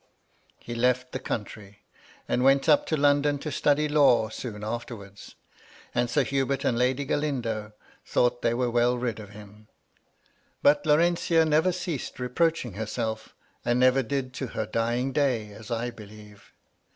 He left the country, and went up to London to study law soon afterwards ; and Sir Hubert and Lady Galindo thought they were well rid of him. But Laurentia never ceased reproaching herself and never did to her dying day, as I believe.